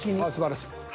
あっすばらしい。